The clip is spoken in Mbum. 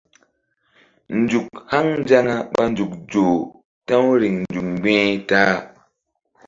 Nzuk haŋ nzaŋa ɓa nzuk zoh ta̧w riŋ nzuk mgbi̧h ta-a.